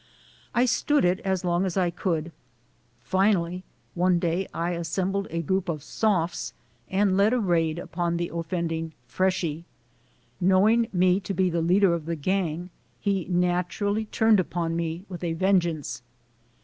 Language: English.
I stood it as long as I could. Finally, one day I assembled a group of "sophs" and led a raid upon the offending "freshy." Know ing me to be the leader of the gang, he naturally turned upon me with a vengeance.